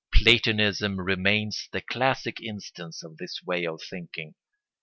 Platonism remains the classic instance of this way of thinking.